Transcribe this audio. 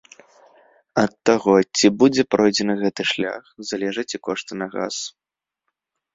Ад таго, ці будзе пройдзены гэты шлях, залежаць і кошты на газ.